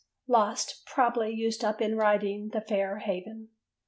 lost, probably used up in writing The Fair Haven.